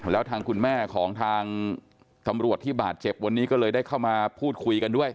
แล้วทางคุณแม่ของทางตำรวจที่บาดเจ็บวันนี้ก็เลยได้เข้ามาพูดคุยกันด้วย